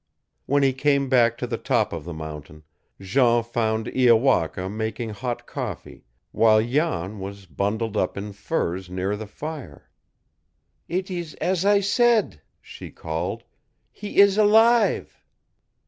When he came back to the top of the mountain, Jean found Iowaka making hot coffee, while Jan was bundled up in furs near the fire. "It is as I said," she called. "He is alive!"